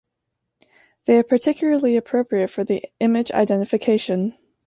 They are particularly appropriate for the image identification.